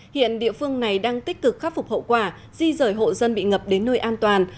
hiện địa phương này đang tích cực khắc phục hậu quả di rời hộ dân bị ngập đến nơi an toàn